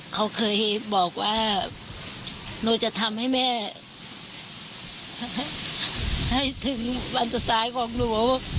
เขาเคยบอกว่าหนูจะทำให้แม่ให้ถึงวันสุดท้ายของหนู